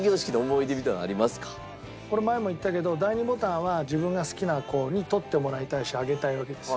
なんかこれ前も言ったけど第２ボタンは自分が好きな子に取ってもらいたいしあげたいわけですよ。